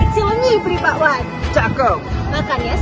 cilunyi beri pak wan